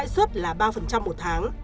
xuất là ba một tháng